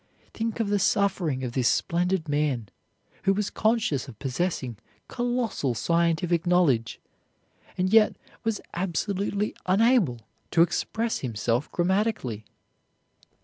Think of the suffering of this splendid man, who was conscious of possessing colossal scientific knowledge, and yet was absolutely unable to express himself grammatically!